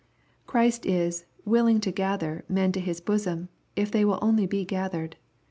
Christ is "willing to gather" men to His bosom, if they will only be gathered.